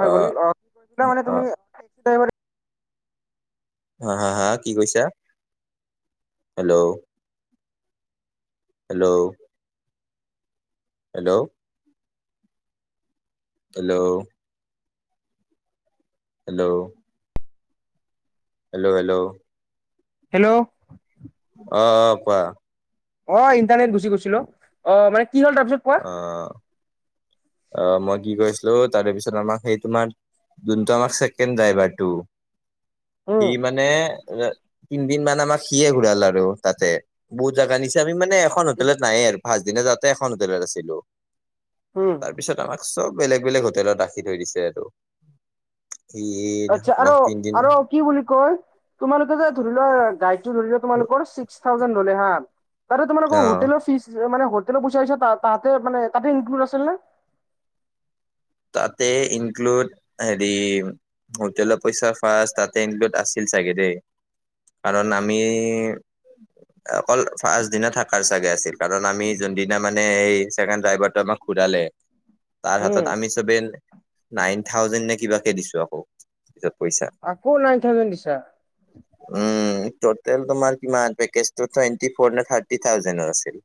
হৈ অ গলা মানে অ তুমি হ হা হা কি কৈছা hello hello hello hello hello hello hello hello অ অ কোৱা অ ইণ্টাৰনেট গুচি গৈছিল অ অহ মানে কি হ'ল তাৰপিছত কোৱা অ অ মই কি কৈ আছিলো তাৰে পিছত আমাক সেই তোমাৰ যোনটো আমাক ছেকেণ্ড ডাইভাৰটো উম সি মানে তিনদিন মান আমাক সিয়ে ঘূৰাল আৰু তাতে বহুত জোগা নিছে আমি মানে এখন হোটেলত নায়েই আৰু পাচ দিনা যাওঁতে এখন হোটেলত আছিলো। উম তাৰপিছত আমাক চব বেলেগ বেলেগ হোটেলত ৰাখি থৈ দিছে আৰুটো আচ্ছা আৰু আৰু কি বুলি কয় তোমালোকে যে ধৰি লোৱা গাডীটো ধৰি লোৱা। তোমালোকৰ চিস্ক থাউজেন ললে হা আৰু তোমালোকৰ অ হোটেল ফিজ মানে হো পইচা হিচাপ তাতে মানে তাতে ইনক্লুড আছিল নে? তাতে ইনক্লুড হেৰি হোটেলৰ পইচা ফাষ্ট তাতে ইনক্লুড আছিল চাগে দেই কাৰণ আমি অকল ফাষ্টট দিনা থকাৰ চাগে আছিল কাৰণ আমি যোনদিনা মানে সেই ছেকেণ্ড ডাইভটো আমাক কুদালে তাৰ উম হাতত আমি চবে নাইন থাউজেণ্ড নে কিবাকে দিছো আকৌ পইচা আকৌ নাইন থাউজেণ্ড দিছা উম। টোটেল তোমাৰ কিমান পেকেজ টুৱেণ্টি ফ'ৰ নে থাৰ্টি থাউজেণ্ডৰ আছিল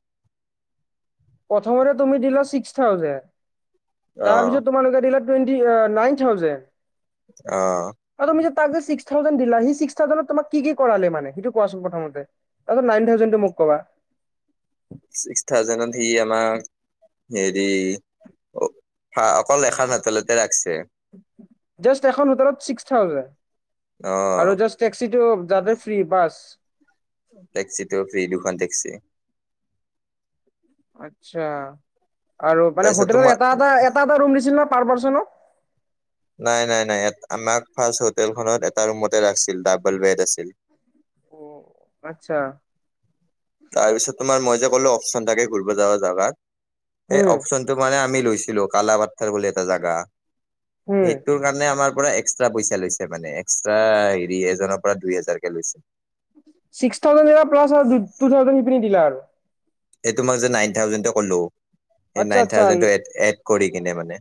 প্ৰথমতে তুমি দিলা চিক্স থাউজেন অ তাৰ পিছত তোমালোকে দিলা টুৱেণ্টি নাইন থাউজেন অ তাক যে ছিক্স থাউজেন দিলা সি ছিক্স থাউজেনত তোমাক কি কি কৰালে মানে সেইটো কোৱা চোন প্ৰথমতে ত নাইন থাউজেন টো মোক কবা ছিক্স থাউজেনত সি আমাক হেৰি অকল এখান হোটেলতে ৰাখছে জাচ এখন হোটেলত ছিক্স থাউজেন অ আৰু জাচ্ টেক্সিটো যাতে ফ্ৰী বাছ টেক্সিটো ফ্ৰী দুখন টেক্সি আচ্ছা আৰু মানে তাৰপিছত হোটেলৰ তোমাৰ এটা এ এটা এটা ৰুম দিছিল ন পাৰ পাৰ্চন ন নাই নাই নাই আমাক ফাৰ্ষ্ট হোটেলখনত এটা ৰুমতে ৰাখিছিল ডাবল বেড আছিল অ আচ্ছা তাৰ পিছত তোমাৰ মই যে ক'লো অপশচন থাকে ঘুৰিব যা জোগাত সেই উম অপশচনটো মানে। আমি লৈছিলো কালাপাঠাৰ বুলি এটা জোগা উম সেইটো কাৰণে আমাৰ পৰা এক্সট্ৰা পইচা লৈছে মানে এক্সট্ৰা হেৰি এজনৰ পৰা দুই হাজাৰ কে লৈছে কি দিলা আৰু এইটো ম‌ই যে নাইন থাউজেন টো ক'লো সেই আচ্ছা নাইন আচ্ছা থাউজেন টো এড এড কৰি কিনে মানে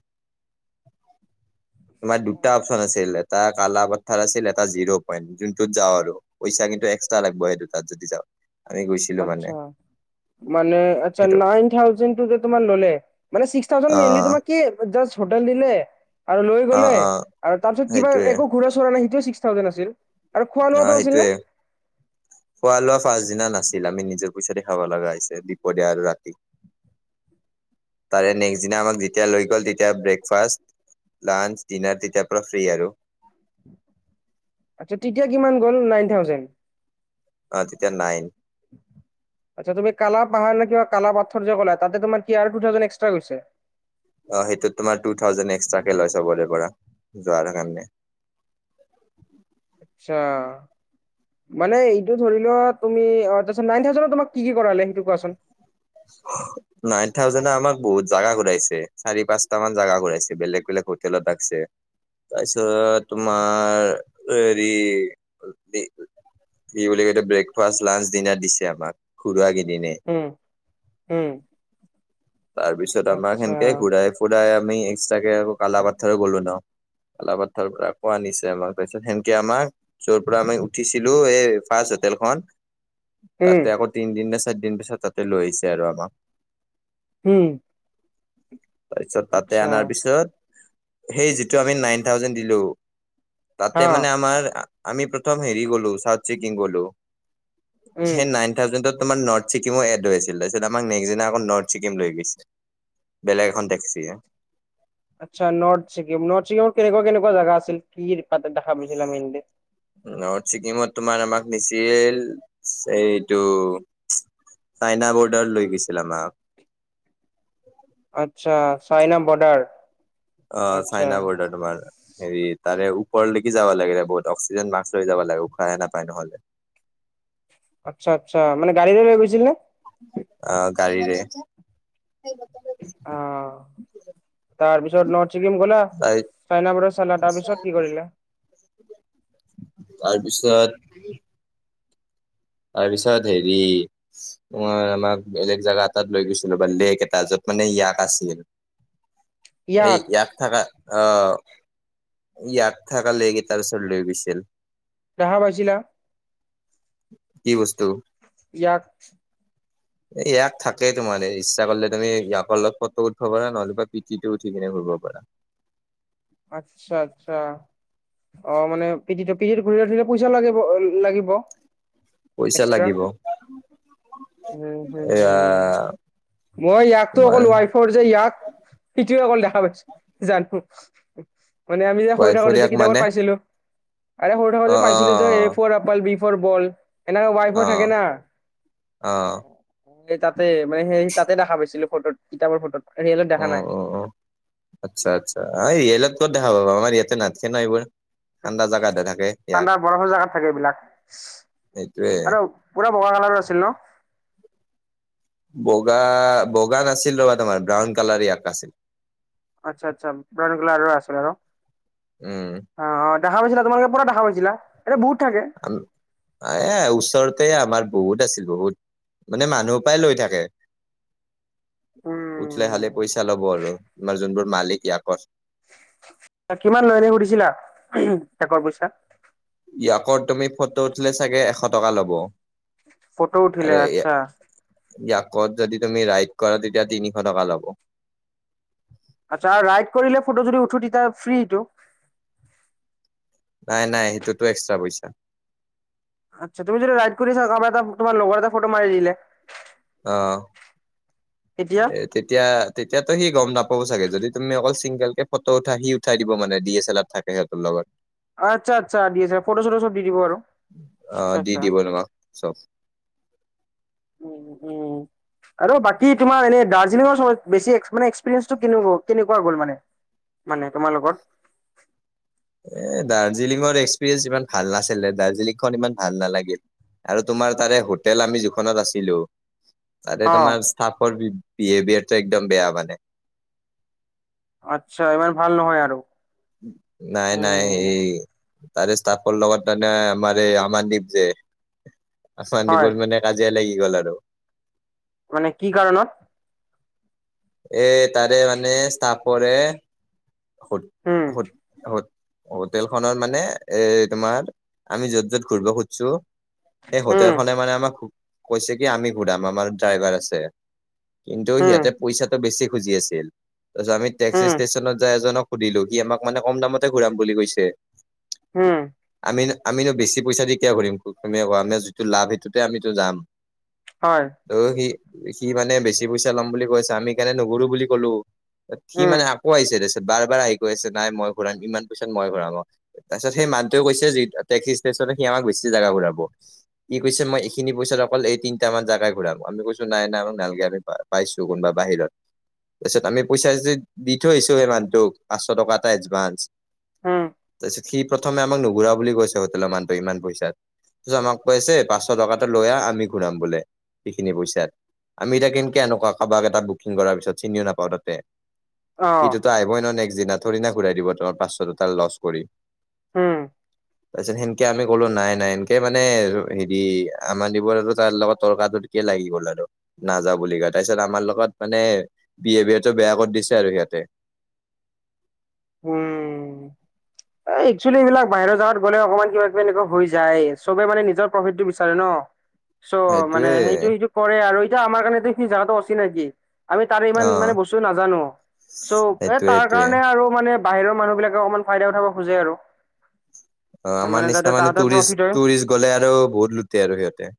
তোমাৰ দুটা অপশন আছিল এটা কালাপথাৰ আছিল এটা জিৰ' পইণ্ট যোনটোত যাওঁ আৰু পইচা কিন্তু এক্সট্ৰা লাগিব সেইটো তাত যদি যাওঁ আমি গৈছিলো মানে আচ্ছা। মানে আচ্ছা সেইটো নাইন থাউজেন তোমাৰ ললে মানে ছিক্স থাউজেন মেনলি অ', তোমাৰ কি জাচ্ হোটেল দিলে আৰু লৈ অ', গ'লে অ'। আৰু তাৰপিছত কিবা সেইটোয়ে একো ঘুৰা চৰা নাই সেইটোৱে ছিক্স থাউজেন আছিল আৰু খোৱা অ লোৱাটো আছিল নে সেইটোয়ে খোৱা লোৱা পাচদিনা ন আছে আমি নিজৰ পইচাতে খাব লগা হৈছে দুপৰীয়া আৰু ৰাতি তাৰে নেক্সট দিনা আমাক যেতিয়া লৈ গ'ল তেতিয়া ব্ৰেকফাষ্ট লাঞ্চ ডিনাৰ তেতিয়াৰ পৰা ফ্ৰী আৰু আচ্ছা তেতিয়া কিমান গ'ল নাইন থাউজেণ্ড অ তেতিয়া নাইন আচ্ছা তুমি কালা পাহাৰলৈ কিবা কালা পথৰ যে কলা তাতে তোমাৰ কি টুথাউজেন এক্সাট্ৰা গৈছে অ সেইটোত তোমাৰ টু থাউজেণ্ড এক্সট্ৰাকে লয় চবৰে পৰা যোৱাৰ কাৰণে আচ্ছা মানে এইটো ধৰি লোৱা তুমি তাৰপিছত নাইন থাউজেণ্ড তোমাক কি কি কৰালে সেইটো কোৱাচোন নাইন থাউজেণ্ডে আমাক বহুত জাগা ঘূৰাইছে চাৰি পাঁচটা মান জাগা ঘূৰাইছে বেলেগ বেলেগ হোটেলত ৰাখিছে তাৰ পিছত তোমাৰ হেৰি কি বুলি কয় এইটো ব্ৰেকফাষ্ট লাঞ্চ ডিনাৰ দিছে আমাক ঘুৰোৱা কেইদিনে হম তাৰপিছত আমাৰ সেনেকে ঘূৰাই ফুৰাই আমি এক্সট্ৰাকে কালপথাৰ গলো ন কলাপাৰথৰ পৰা কোৱা আনিছে আমাক তাৰপিছত সেনকে আমাক যৰ পৰা আমি উঠিছিলো এই ফাৰ্ষ্ট হোটেলখন উম তাতে আকৌ তিন দিন বা চাৰি দিন পিছত তাতে লৈ আহিছে আৰু আমাক হম তাৰপিছত তাতে অনাৰ পিছত সেই যিটো আমি নাইন থাউজেন দিলো তাতে হা মানে আমাৰ আমি প্ৰথম হেৰি গ'লো চাউথ ছিকিম গলোঁ উম সেই নাইন থাউজেড তোমাৰ নথ চিকিম এড লৈ আছিল তাৰপিছত আমাক নেক্স দিনাখন নৰ্থ ছিকিম লৈ গৈছে বেলেগ এখন টেক্সিয়ে আচ্ছা নৰ্থ ছিকিম নৰ্থ ছিকিমৰ কেনেকুৱা কেনেকুৱা জেগা আছিল কি কি দিপাৰ্টমেন দেখা পাইছিলা মেনকে। নৰ্থ ছিকিমত তোমাক আমাক নিছিল। এইটো চাইনা বৰ্ডাৰ লৈ গৈছিল আমাক। আচ্ছা চাইনা বৰ্ডাৰ। অ আচ্ছা চাইনা বৰ্ডাৰ তোমাৰ। হেৰি তাৰে ওপৰলৈকে যাব লাগে বহুত অক্সিজেন মাক্ক লৈ যাব লাগে উশাহে নাপায় নহলে। আচ্ছা আচ্ছা মানে গাড়ীৰে লৈ গৈছিল নে। আহ গাড়ীৰে। অ। তাৰপিছত নৰ্থ চিকিম গলা, তাৰ চাইনা বৰ্ডাৰ চালা তাৰপিছত কি কৰিলা? উম [inaudible] তাৰপিছত। তাৰপিছত হেৰি অ আমাক বেলেগ জেগা এটাত লৈ গৈছিল বান্দে এটা যত মানে ইয়াক আছিল, সেই ইয়াক থকা অ ইয়াত থকা লেগ তাৰ ওচৰত লৈ গৈছিল। দেখা পাইছিলা। কি বস্তু। ইয়াক। ইয়াক থাকেই তোমাৰ এই ইচ্ছা কৰিলে তুমি ইয়াকৰ অলপ ফটো উঠিব পাৰা নহলেবা পিটটো উঠি কিনে ঘূৰিব পাৰা। আচ্ছা আচ্ছা। অ মানে পি পিটি ঘূৰি ধিলে পইচা লাগিব লাগিব। পইচা এক্সট্ৰা লাগিব। উম উম এয়া উম। মই ইয়াকতো তোমাৰ অকল ৱাইফৰ যে ইয়াক সেটোৱে অকল দেখা পাইছো জান। মানে আমি যে সৰু ৱাইফৰ থাকোতে যে ইয়াক কিতাপত মানে পাইছিলোঁ। আৰে সৰু অ অ থাকোতে পাইছিলো যে A for apple, B for ball. এনেকা ৱাইফৰ অ থাকে ন। অ তাতে মানে সেই তাতে দেখা পাইছিলোঁ ফটোত কিতাপৰ ফটোত। ৰিয়েলত দেখা উম নাই অ অ আচ্ছা আচ্ছা। অ ৰিয়েলত ক'ত দেখা পাব আমাৰ ইয়াতে নাথাকে না, এইবোৰ ঠাণ্ডা জাগাতে থাকে। ইয়াক ঠাণ্ডা বৰফৰ জেগাত থাকে এইবিলাক। সেইটোয়ে আৰু পুৰা বগা কালাৰৰ আছিল ন। বগা বগা নাছিল ৰ'বা তোমাৰ ব্ৰাউন কালাৰ ইয়াক আছিল। আচ্ছা আচ্ছা ব্ৰাউন কালাৰ আছিলে ন। উম! দেখা পাইছিলা তোমালে পৰা দেখা পাইছিলা এনেই বহুত থাকে এ ওচৰতে আমাৰ। বহুত আছিল বহুত মানে মানুহৰ পৰাই লৈ থাকে। উঠিলে উম খালে পইচা ল'ব আৰু তোমাৰ যোনবোৰ মালিক ইয়াকৰ। কিমান লয় এনেই সুধিছিলা একৰ পইচা। তাকৰ তুমি ফটো উঠিলে চাগে এশ টকা ল'ব। ফটো উঠিলে আৰু আচ্ছা। ইয়াকত যদি তুমি ৰাইড কৰা তেতিয়া তিনিশ টকা লব। আচ্ছা ৰাইড কৰিলে ফটো যদি উঠো তেতিয়া ফ্ৰীটো নাই নাই সেইটোতো এক্সট্ৰা পইচা। আচ্ছা তুমি যদি ৰাইড কৰিছা আমাৰ এটা তোমাৰ লগৰ এটা ফটো মাৰি দিলে। অহ তেতিয়া এ তেতিয়া তেতিয়াতো সি গম নাপাব চাগে যদি তুমি অকল চিং ফটো উঠা সি উঠাই দিব মানে ডি এ চেলাৰ থাকে সিহঁতৰ লগত। আচ্ছা আচ্ছা চও উ উম আৰু বাকী তোমাৰ এনে দাৰ্জিলিঙৰ বেছি নে এক্সপিৰিয়েঞ্চটো কেনেকুৱা হ'ল মানে মানে তোমালোকত এ দাৰ্জিলিঙৰ এক্সপিৰিয়েঞ্চ ইমান ভাল নাছিলে দাৰ্জিলিংখন ইমান ভাল নালাগিল আৰু তোমাৰ তাৰে হোটেল আমি যিখনত আছিলো তাতে অ তোমাৰ ষ্টাফৰ বিহেভিয়াৰটো একদম বেয়া মানে আচ্ছা ইমান ভাল নহয় আৰু নাই নাই উম সেই তাৰে ষ্টাপৰ লগত মানে আমাৰ এই আমাৰ দ্বীপ যে হয় চনদিপৰ মানে কাজিয়া লাগি গ'ল আৰু মানে কি কাৰণত এ তাৰে মানে ষ্টাফৰে উম হোটেল খনৰ মানে এ তোমাৰ আমি য'ত য'ত ঘূৰিব খুজিছো। সেই উম হোটেলখনে মানে আমাক কৈছে কি আমি ঘুৰাম আমাৰ ড্ৰাইভাৰ আছে কিন্তু উম সিহঁতে পইচাটো বেছি খুজি আছিল। আমি টেক্সি উম ষ্টেণ্ডত গৈ এজনক সুধিলো সি আমাক মানে কম দামতে ঘূৰাম বুলি কৈছে উম আমি আমি নো বেছি পইচা দি কিও ঘুৰিম আমাৰ যিটো লাভ সেইটোতে আমিতো যাম হয় ত সি সি মানে বেছি পইচা লম বুলি কৈছে আমি সেই কাৰণে নুঘূৰোঁ বুলি ক'লো। সি উম মানে আকৌ আহিছে। বাৰ বাৰ আহি কৈছে নাই মই ঘুৰাম ইমান পইচাত মই ঘুৰামো তাৰ পিছত সেই মানুটো কৈছে সিহঁতে বেছি জেগা ঘূৰাব। কি কৈছে মই এইখিনি পইচা অকল এই তিনটা মান জাগাই ঘুৰাম আমি কৈছো নাই নাই নালগে আমি পাইছো কোনবা। বাহিৰত তাৰপিছত আমি পইচা যদি দি থৈ আহিছো সেই মানুটোক পাঁচশ টকা এটা এডভান্স। উম তাৰপিছত সি প্ৰথমে আমাক নুঘুৰা জ [unintelligible] মাক আমি এতিয়া কেনকে এনেকুৱা কাৰোবাক এটা ক অ [unintelligible] থুৰেনা ঘূৰাই দিব তোমাৰ পাচঁশ তাৰ লছ কৰি [unintelligible] হম তাৰপিছত সেনকে আমি কলো নাই নাই সেনকে মানে হেৰি আমাৰ দিবোৰ আৰু তাৰ লগত তৰ্কা ত লাগি গ'ল আৰু নাযাওঁ বুলি কয় তাৰপিছত আমাৰ লগত মানে বিহেভিয়াৰটো বেয়া কৰি দিছে আৰু সিহঁতে উম এ একচুৱেলি এইবিলাক বাহিৰৰ যাৱাত গ'লে অকমান কিবা কিবি এনেকুৱা হৈ যায় চবে মানে নিজৰ প্ৰফিটটো বিচাৰে ন [unintelligible] চ' মানে সেইটোয়ে সেইটো সেইটো কৰে আৰু টো আাৰ কাৰণে এইখিনি যাতো অছি নেকি আমি তাৰে ইমান অ মানে বস্তু নাজানো চ' এ সেইটোয়ে তাৰ সেইটোয়ে কাৰণে আৰু মানে বাহিৰৰ মানুহ বিলাকে অকমান ফাইদা উঠাব খোজে আৰু অ আমাৰ যাতে নিচিনা মানে তাহাঁতৰ প্ৰফিট হয়। টুৰিষ্ট টুৰিষ্ট গলে আৰু বহুত লুটে আৰু সিহঁতে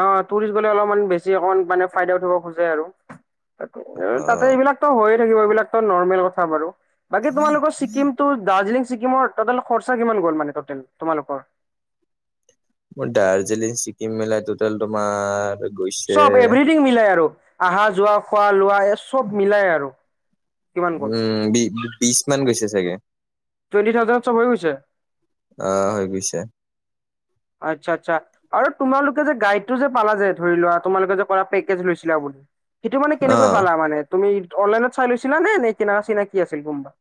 অ টোৰিষ্ট গলে অলপমান বেছি অকণ মানে ফাইদা উঠিব খোজে আৰু তা আৰু তাতে অ এইবিলাকো হয় থাকিব এইবিলাক টো নৰ্মেল কথা বাৰো বাকি তোমালোকৰ ছিকিম টো দাৰ্জিলিং ছিকিমৰ টতেল খৰচা কিমান গ'ল মানে তটেল তোমালোকৰ মোৰ দাৰ্জিলিং ছিকিম মেলাই টোটল তোমাৰ গৈছে চব এভৰিথিং মিলাই আৰু আহা যোৱা খোৱা লোৱা এই চব মিলাই আৰু কিমান গ'ল? উম বিচ মান গৈছে চাগে টুৱেণ্টি থাউজেণ্ডত চব হৈ গৈছে? আহ হৈ গৈছে আচ্ছা আচ্ছা আৰু তোমালোকে যে গাইডটো যে পালা যে ধৰি লোৱা তোমালোকে যে কৰা পেকেজ লৈছিলা আনি সেইটো মানে অ কেনেকৈ পালা মানে তুমি অনলাইনত চাই লৈছিলা নে নে কিনা চিনাকি আছিল কোনোবা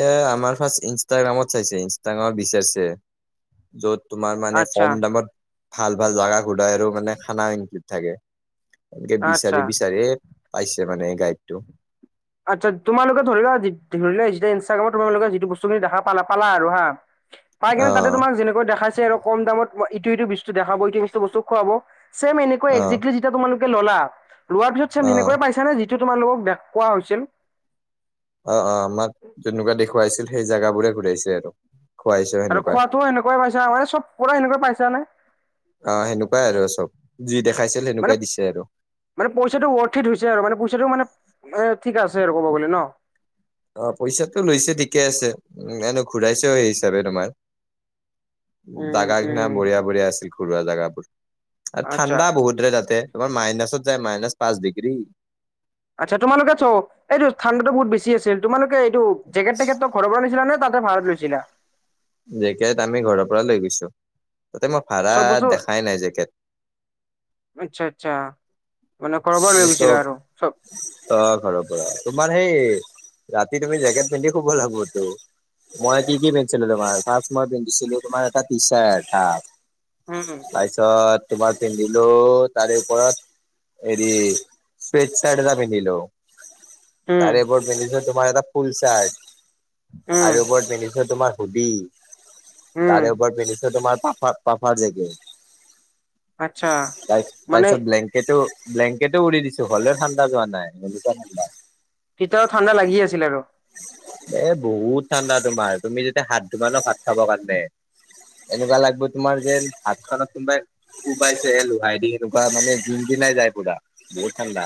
এ আমাৰ ফাৰ্ষ্ট ইনষ্টাগ্ৰামত চাইছে ইনষ্টাগ্ৰামত বিচাৰিছে য'ত তোমাৰ মানে আচ্ছা কম দামত ভাল ভাল জাগা ঘূৰাায় আৰু মানে খানা ইনক্লুড থাকে এনেকে আচ্ছা বিচাৰি বিচাৰি পাইছে মানে। গাইডটো আচ্ছা তোমালোকে ধৰি তোমালোক যি বস্তু দেখা পা পালা আৰু হা পাই অ কিনে তাতে তোমাৰ যেনেকৈ দেখাইছে। তেৰ কম দামত ইটো সিটো বস্তু দেখাব বস্তু খুৱাব চেম এনেকৈ অ এক্সাক্টলী যেতিয়া তোমালোকে তান [unintelligible] ললা লোৱাৰ পিছত চেম অ সেনেকৈয়ে পাইছা নে যিটো তোমালোকক দে কোৱা হৈছিল অ অ আমাক যেনেকুৱা দেখুৱাইছিল সেই জাগাবোৰে ঘূৰাইছে আৰু খুৱাইছো আৰু সেনেকুৱা খোৱাতো সেনেকুৱে পাইছা মানে চব খ এনেকয়ে পাইছা নে [unintelligible] অ সেনেকুৱাই আৰু চব যি দেখাইছিল মানে সেনেকুৱাই দিছে আৰু মানে পইচাটো ৱৰ্থিত হৈছে আৰু মানে পইচাটো মানে এ ঠিক আছে আৰু ক'ব গ'লে ন অ পইচাটো লৈছে ঠিকে আছে উ এনো ঘূৰাইছে এই হিচাপে তোমাৰ উম জাগা খিনা উম বঢ়িয়া বঢ়িয়া আছিল ঘৰুৱা জাগাবোৰ আৰু আচ্ছা ঠাণ্ডা বহুতৰে তাতে তোমাৰ মাইনাছত যায় মাইনাছ পাঁচ ডিগ্ৰী আচ্ছা তোমালোক চ এইটো ঠাণ্ডাো বহুত বেছি আছিল তোমালোকে এইটো জেকেটেকেটটো ঘৰৰ পৰা নিছিলা নে [unintelligible] তাতে ভাৰাত লৈছিলা জকীয়াত আমি ঘৰৰ পৰা লৈ গৈছো [unintelligible] তাতে মই ভাড়া চব বস্তু দেখাই নাই জেকেট আচ্ছা আচ্ছা মানে ঘৰৰ পৰা লৈ ত গৈছিলা চব আৰু চব ত ঘৰৰ পৰা তোমাৰ সেই ৰাতি তুমি জেকেট পিন্ধি শুভ লাগিব [unintelligible] টো মই কি কি পিন্ধিছিলো তোমাৰ ফাৰ্ষ মই পিন্ধিছিলো তোমাৰ এটা টি চাৰ্ট উম তাৰপিছত তোমাৰ পিন্ধিলো তাৰে ওপৰত এৰি ফিট চাৰট এটা পিন্ধিলো উম তাৰেপ পিন্ধিছো তোমাৰ এটা [unintelligible] ফুল চাৰ্ট উম আৰু ওপৰত পিন্ধিছো তোমাৰ হুবি [unintelligible] উম তাৰে ওৰ পিন্নিছো তোমাৰ পফ পাফাৰ যেগে। আচ্ছা তাৰ মানে তাৰপিছত ব্লেংকেটো ব্লেংকেটো উৰি দিছো হলেও ঠাণ্ডা যোৱা নাই গা ঠাণ্ডা ভিতৰত ঠাণ্ডা লাগি আছিল আৰু এ বহুত ঠাণ্ডা তোমাৰ তুমি যেতিয়া হাত দুমানৰ ভাত খাব কাৰণে এনেকুৱা লাগব তোমাৰ যে হাত খত কোনোবাই উবাইছেহ লোহাই দি সেনেকুৱা মানে গুণ গ নাই যায় কুা বহু ঠাণ্ডা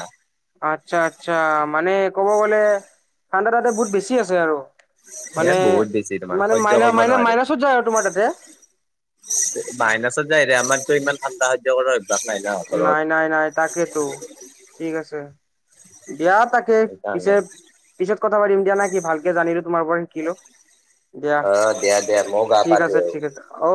আচ্ছা আচ্ছা মানে ক'ব গ'লে ঠাণ্ডা তাতে বহুত বেছি আছে আৰু এ মানে বহুত বেছি তোমাৰ মানে সহ্য মাইনা কৰিব মাইনা মাইনাছত যায় আৰু তোমাৰ তাতে বাইনাছত যায়ৰে আমাৰতো ইমান ঠাণ্ডা সহ্য কৰা নাই নাই নাই তাকেতো ঠিক আছে দিয়া তাকে পিছে সেইকাৰণে। পিছত কথা পাতিম দিয়া নে কি ভালকে জানিলো তোমাৰ পৰা শিকিলো দিয়া অ দিয়া দিয়া মগা ঠিক আছে পাটো ঠিক আছে অ